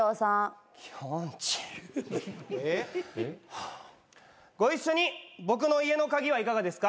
ハァご一緒に僕の家の鍵はいかがですか？